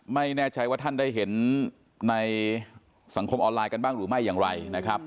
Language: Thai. ไม่แน่ใจว่าท่านได้เห็นในสังคมออนไลน์กันบ้างหรือไม่อย่างไรนะครับ